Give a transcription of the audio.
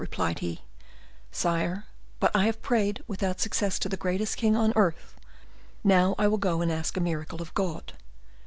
replied he, "sire; but I have prayed without success to the greatest king on earth; now I will go and ask a miracle of God."